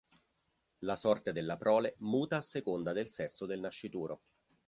La sorte della prole muta a seconda del sesso del nascituro.